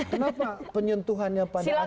kenapa penyentuhannya pada aspek